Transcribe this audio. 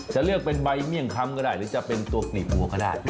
จะเลือกเป็นใบเมี่ยงคำก็ได้หรือจะเป็นตัวกลีบวัวก็ได้